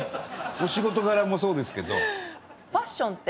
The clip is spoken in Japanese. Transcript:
お仕事柄もそうですけど。